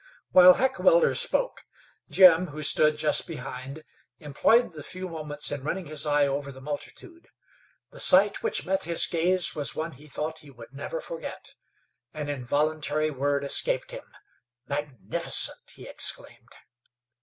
While Heckewelder spoke, Jim, who stood just behind, employed the few moments in running his eye over the multitude. The sight which met his gaze was one he thought he would never forget. An involuntary word escaped him. "Magnificent!" he exclaimed.